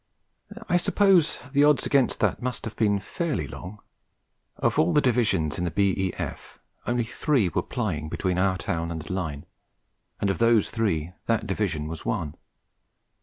I suppose the odds against that must have been fairly long. Of all the Divisions in the B.E.F. only three were plying between our town and the Line; and of those three that Division was one.